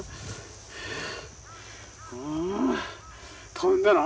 飛んだな。